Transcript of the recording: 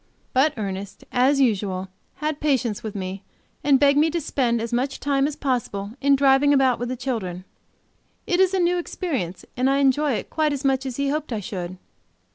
But Ernest, as usual, had patience with me and begged me to spend as much time as possible in driving about with the children. It is a new experience, and I enjoy it quite as much as he hoped I should.